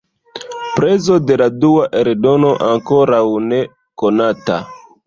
Prezo de la dua eldono ankoraŭ ne konata.